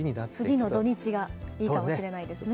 次の土日がいいかもしれないですね。